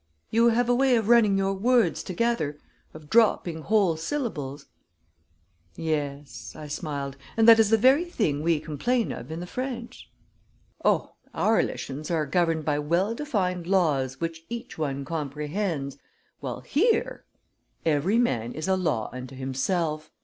You have a way of running your words together, of dropping whole syllables " "Yes," I smiled, "and that is the very thing we complain of in the French." "Oh, our elisions are governed by well defined laws which each one comprehends, while here " "Every man is a law unto himself.